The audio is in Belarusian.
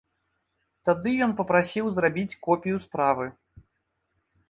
Тады ён папрасіў зрабіць копію справы.